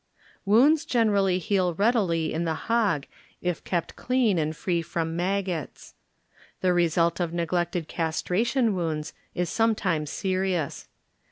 Wounds generally heal readily in the hog if kept clean and free from maggots. The result of neglected castration wounds is sometimes serious.